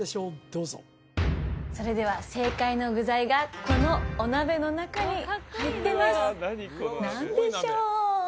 どうぞそれでは正解の具材がこのお鍋の中に入ってます何でしょう？